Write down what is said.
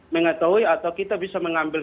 mengetahui atau kita bisa mengambil